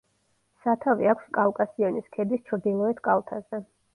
სათავე აქვს კავკასიონის ქედის ჩრდილოეთ კალთაზე.